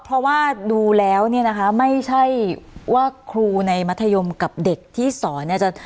เพราะว่าดูแล้วเนี่ยนะคะไม่ใช่ว่าครูในมัธยมกับเด็กที่สอนเนี่ยจะ